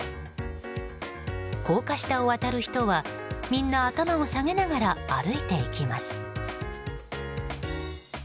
高架下を渡る人は、みんな頭を下げながら歩いていきます。